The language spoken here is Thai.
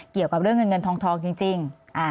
เกี่ยวกับเรื่องเงินเงินทองจริง